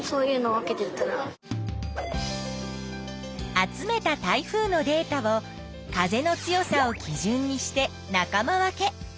集めた台風のデータを風の強さをきじゅんにして仲間分け。